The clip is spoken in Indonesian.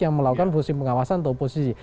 yang melakukan fungsi pengawasan atau oposisi